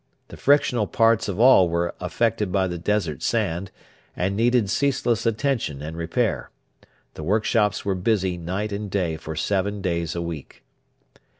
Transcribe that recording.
The frictional parts of all were affected by the desert sand, and needed ceaseless attention and repair. The workshops were busy night and day for seven days a week.